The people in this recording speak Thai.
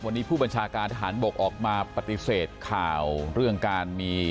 วันนี้ผู้บัญชาการทหารบกออกมาปฏิเสธข่าวเรื่องการมี